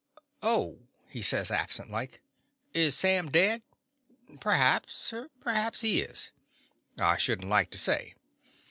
"Oh!'' he says, absent like. "Is Sam dead*? Perhaps! Perhaps he is. I should n't like to say.